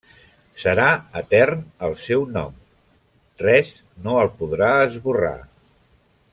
Serà etern el seu nom, res no el podrà esborrar.